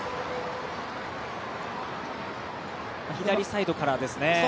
左サイドからですね。